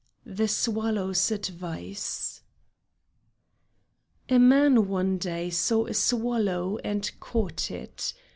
THE SWALLOW'S ADVICE A man one day saw a swallow and caught it.